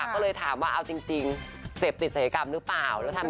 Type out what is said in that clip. ก็เลยถามว่าเอาจริงเสพติดศัยกรรมหรือเปล่าแล้วทำ